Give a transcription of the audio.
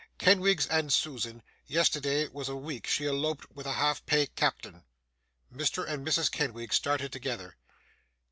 Kenwigs and Susan, yesterday was a week she eloped with a half pay captain!' Mr. and Mrs. Kenwigs started together.